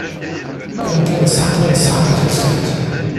Anta ay iṣeḥḥan deg-sent?